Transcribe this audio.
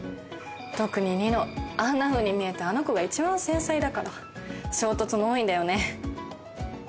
特に二乃あんな風に見えてあの子が一番繊細だから衝突も多いんだよね